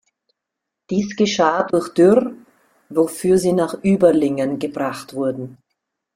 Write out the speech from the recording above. Dies geschah durch Dürr, wofür sie nach Überlingen gebracht wurden.